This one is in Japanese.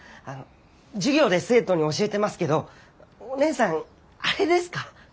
あの授業で生徒に教えてますけどお姉さんあれですか？